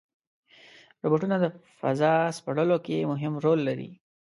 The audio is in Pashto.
روبوټونه د فضا سپړلو کې مهم رول لري.